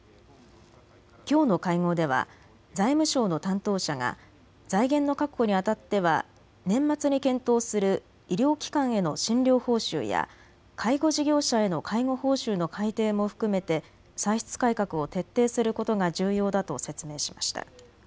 きょうの会合では財務省の担当者が財源の確保にあたっては年末に検討する医療機関への診療報酬や介護事業者への介護報酬の改定も含めて歳出改革を徹底することが重要だと説明しました。